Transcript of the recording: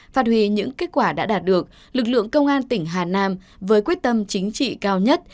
phát huy những kết quả đã đạt được lực lượng công an tỉnh hà nam với quyết tâm chính trị cao nhất